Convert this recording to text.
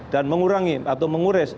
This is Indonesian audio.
dan mengurangi atau mengures